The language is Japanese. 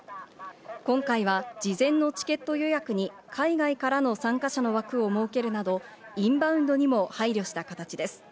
今回は事前のチケット予約に海外からの参加者の枠を設けるなど、インバウンドにも配慮した形です。